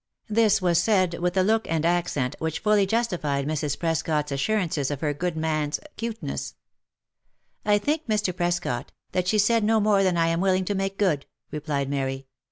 This was said with a look and accent which fully justified Mrs. Prescot's assurances of her good man's «' 'cuteness." " I think, Mr. Prescot, that she said no more than I am willing to make good," replied Mary.